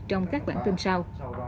trong các bản tin sau